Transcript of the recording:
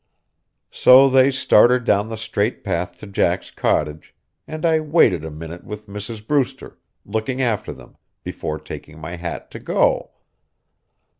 So they started down the straight path to Jack's cottage, and I waited a minute with Mrs. Brewster, looking after them, before taking my hat to go.